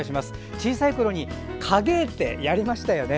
小さいころに影絵ってやりましたよね。